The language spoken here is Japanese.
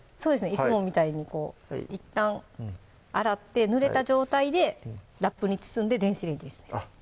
いつもみたいにこういったん洗ってぬれた状態でラップに包んで電子レンジですねあっ